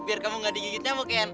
biar kamu nggak digigit nyamuk ken